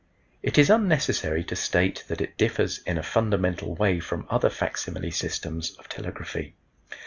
It is unnecessary to state that it differs in a fundamental way from other facsimile systems of telegraphy.